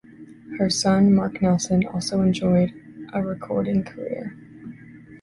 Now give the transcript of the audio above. Her son Marc Nelson also enjoyed a recording career.